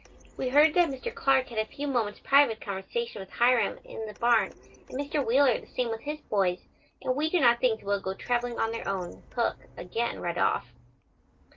We heard that Mr. Clark had a few moments' private conversation with Hiram in the barn and Mr. Wheeler the same with his boys and we do not think they will go traveling on their own hook again right off.